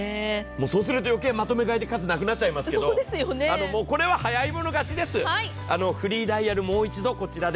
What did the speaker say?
そうすると、よけいまとめ買いで数なくなっちゃいますけど、これは早い者勝ちです。